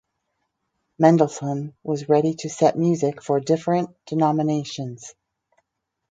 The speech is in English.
Mendelssohn was ready to set music for different denominations.